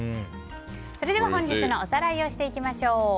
それでは本日のおさらいをしていきましょう。